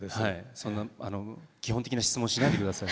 そんな基本的な質問しないで下さい。